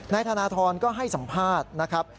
นายธนทรก็ให้สัมภาษณ์นะครับ